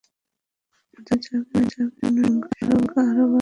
যত সময় যাবে, অনুসারীর সংখ্যা আরোও বাড়বে।